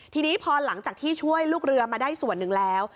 ทีนี้พอหลังจากที่ช่วยลูกเรือมาได้ส่วนหนึ่งแล้ว